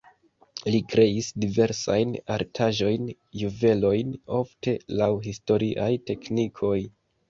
Li kreis diversajn artaĵojn, juvelojn ofte laŭ historiaj teknikoj.